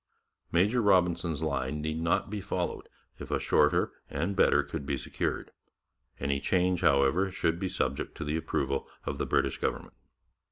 Major Robinson's line need not be followed if a shorter and better could be secured; any change, however, should be subject to the approval of the British government.